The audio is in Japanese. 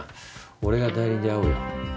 俺が代理で会うよ。